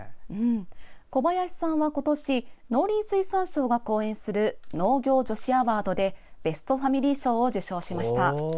小林さんは今年農林水産省が後援する農業女子アワードでベストファミリー賞を受賞しました。